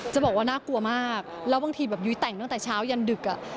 จะบอกว่าน่ากลัวมากแล้วบางทีแบบยุ้ยแต่งตั้งแต่เช้ายันดึก